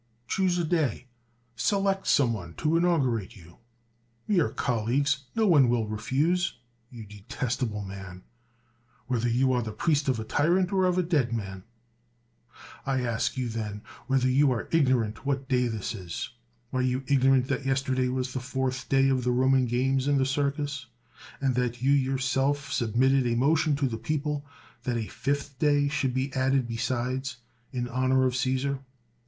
Choose a day ; select some one to inaugu rate you; we are colleags; no one will refuse, you detestable man, whether you are the priest of a tyrant, or of a dead man ! I ask you, then, whether you are ignorant what day this is? Are you ignorant that yesterday was the fourth day of the Eoman games in the Circus? and that 196 CICERO you yourself submitted a motion to the people, that a fifth day should be added besides, in honor of Cffisar?